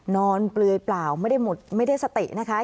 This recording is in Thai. เปลือยเปล่าไม่ได้หมดไม่ได้สตินะคะ